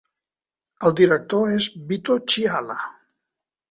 El director és Vito Chiala.